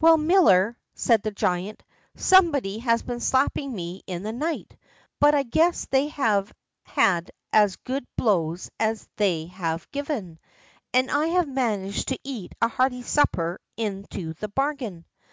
"Well, miller," said the giant, "somebody has been slapping me in the night, but I guess they have had as good blows as they have given, and I have managed to eat a hearty supper into the bargain."